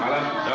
beneran cok pak